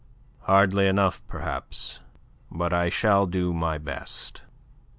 "Hardly enough, perhaps. But I shall do my best."